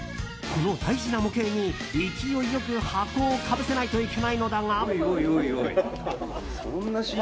この大事な模型に勢いよく箱をかぶせないといけないのだが。